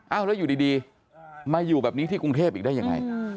แล้วอยู่ดีมาอยู่แบบนี้ที่กรุงเทพอีกได้ยังไง